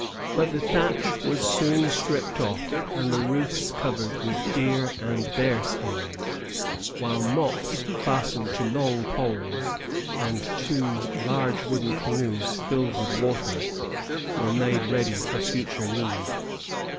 But the thatch was soon stripped off and the roofs covered with deer and bear skins, while mops fastened to long poles, and two large wooden canoes filled with water, were made ready for future need.